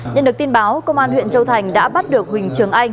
nhận được tin báo công an huyện châu thành đã bắt được huỳnh trường anh